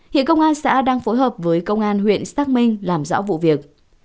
hiện công an xã đang phối hợp với công an huyện xác minh làm rõ vụ việc